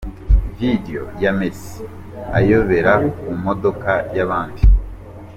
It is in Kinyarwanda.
Video ya Messi ayobera ku modoka y’abandi:.